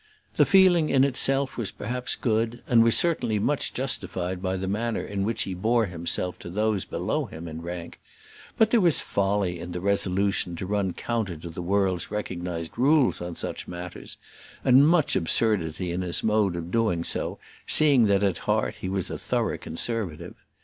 The feeling in itself was perhaps good, and was certainly much justified by the manner in which he bore himself to those below him in rank; but there was folly in the resolution to run counter to the world's recognised rules on such matters; and much absurdity in his mode of doing so, seeing that at heart he was a thorough Conservative.